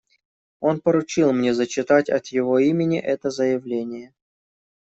Он поручил мне зачитать от его имени это заявление.